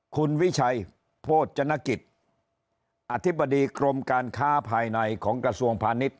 คุณวิชัยโภชนกิจอธิบดีกรมการค้าภายในของกระทรวงพาณิชย